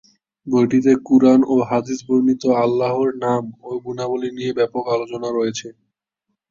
বইটিতে কুরআন ও হাদীসে বর্ণীত আল্লাহর নাম ও গুণাবলী নিয়ে ব্যাপক আলোচনা রয়েছে।